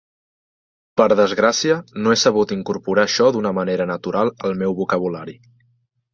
Per desgràcia, no he sabut incorporar això d'una manera natural al meu vocabulari.